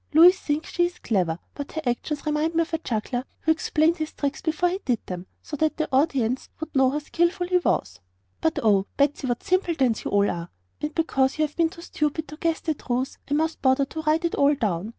Louise thinks she is clever, but her actions remind me of the juggler who explained his tricks before he did them, so that the audience would know how skillful he was." "But oh, Patsy, what simpletons you all are! And because you have been too stupid to guess the truth I must bother to write it all down.